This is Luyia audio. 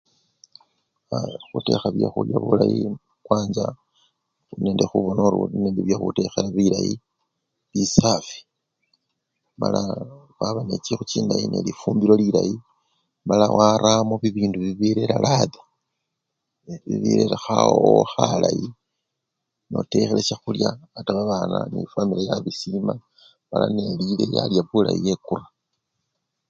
Bya! khutekha byakhulya bulayi kwancha khuli nende khubona ori olinende byekhutekhela bilayi bisafi mala waba nechikhu chindayi nelifumbilo lilayi mala waramo bibindu birera latha, bibirera khawowo khalayi, notekhele syakhulya ate babana nefwamili yabisima mala nendile nalya bulayi nekura.